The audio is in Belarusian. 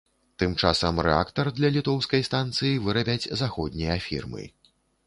Тым часам рэактар для літоўскай станцыі вырабяць заходнія фірмы.